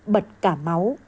bật cả máu